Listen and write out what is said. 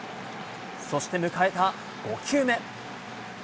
そして迎えた５球目。